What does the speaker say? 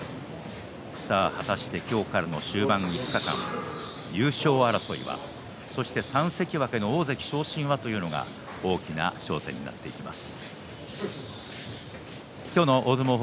果たして今日からの終盤５日間優勝争いは、そして３関脇の大関昇進はというのが大きな焦点になっています。